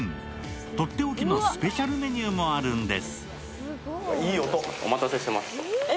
とっておきのスペシャルメニューもあるんです。